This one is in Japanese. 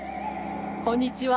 こんにちは。